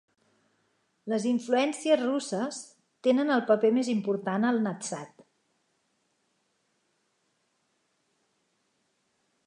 Les influències russes tenen el paper més important al nadsat.